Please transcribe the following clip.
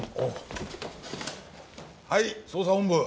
はい捜査本部。